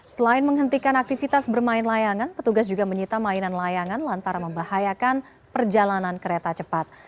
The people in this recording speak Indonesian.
selain menghentikan aktivitas bermain layangan petugas juga menyita mainan layangan lantaran membahayakan perjalanan kereta cepat